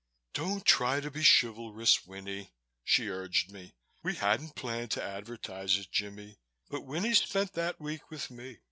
"Don't try to be chivalrous, Winnie," she urged me. "We hadn't planned to advertise it, Jimmie, but Winnie spent that week with me.